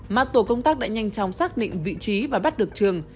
mà tổ công tác đã nhanh chóng xác định vị trí và bắt được trường